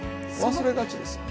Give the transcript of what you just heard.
忘れがちですよ